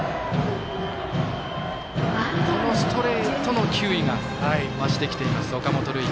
このストレートの球威が増してきている岡本琉奨。